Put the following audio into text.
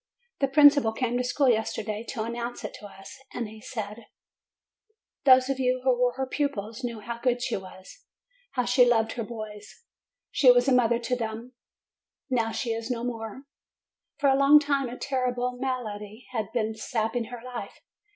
The principal came to the school yesterday morning to announce it to us; and he said: 'Those of you who were her pupils know how good she was, how she loved her boys; she was a mother to them. Now, she is no more. For a long time a terrible malady has been sapping her life.